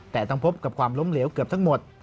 แต่ต้องพบกับความล้มเหลวเกือบทั้งหมด